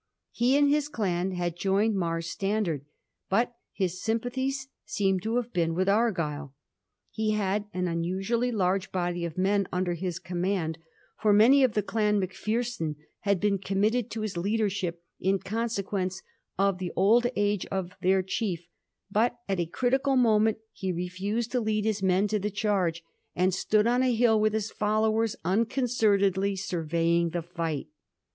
He and his clan had joined Mar's standard, but his sym pathies seem to have been with Argyll. He had an xmusually large body of men under his command, for many of the clan Macpherson had been committed to his leadership, in consequence of the old age of their chief ; but at a critical moment he refused to lead his men to the charge, and stood on a hill with his followers, unconcernedly surveying the j&ght.